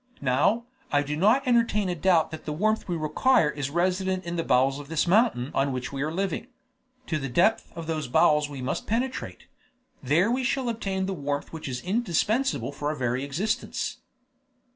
Now, I do not entertain a doubt but that the warmth we require is resident in the bowels of this mountain on which we are living; to the depth of those bowels we must penetrate; there we shall obtain the warmth which is indispensable to our very existence."